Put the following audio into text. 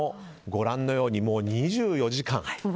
ご覧のようにもう２４時間。